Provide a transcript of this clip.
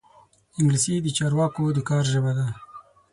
انګلیسي د چارواکو د کار ژبه ده